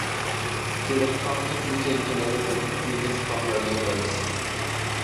He was constantly changing allegiance between his stronger neighbours.